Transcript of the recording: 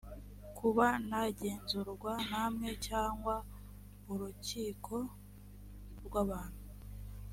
kuba nagenzurwa namwe cyangwa urukiko rw abantu